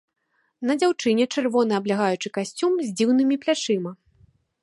На дзяўчыне чырвоны аблягаючы касцюм з дзіўнымі плячыма.